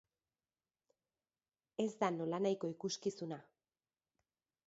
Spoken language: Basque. Ez da nolanahiko ikuskizuna.